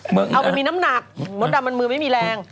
มันน้ำหนักโนธดำมันมีไม่มีแรง